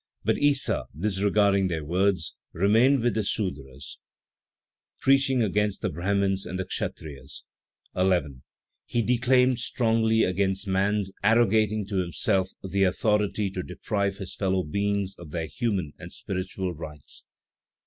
But Issa, disregarding their words, remained with the Sudras, preaching against the Brahmins and the Kshatriyas. 11. He declaimed strongly against man's arrogating to himself the authority to deprive his fellow beings of their human and spiritual rights.